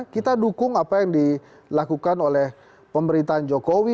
kita dukung apa yang dilakukan oleh pemerintahan jokowi